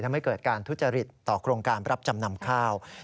ไม่เกิดการทุจริตต่อโครงการรับจำนำข้าว